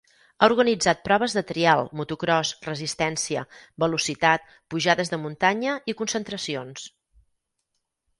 Ha organitzat proves de trial, motocròs, resistència, velocitat, pujades de muntanya i concentracions.